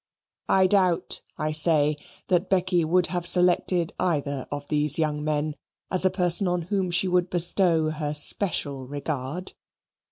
I doubt, I say, that Becky would have selected either of these young men as a person on whom she would bestow her special regard.